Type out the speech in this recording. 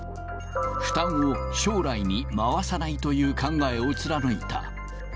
負担を将来に回さないという考えを貫いた。